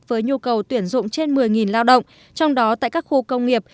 với nhu cầu tuyển dụng trên một mươi lao động trong đó tại các khu công nghiệp